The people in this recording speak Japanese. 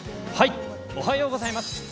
おはようございます。